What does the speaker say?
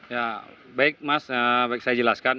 ya baik mas baik saya jelaskan